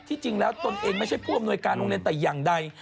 จริงแล้วตนเองไม่ใช่ผู้อำนวยการโรงเรียนแต่อย่างใด